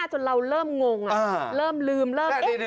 จนเราเริ่มงงเริ่มลืมเริ่มเอ๊ะ